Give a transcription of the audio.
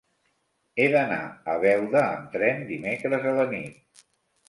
He d'anar a Beuda amb tren dimecres a la nit.